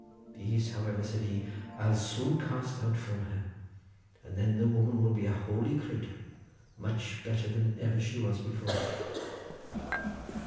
'These, however,' said he, 'I'll soon cast out from her, and then the woman will be a holy cratur, much better than she ever was before.